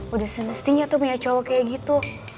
udah semestinya tuh punya cowo kayak gitu